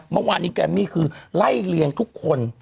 เมื่อวานนี้แกมมี่คือไล่เลี้ยงทุกคน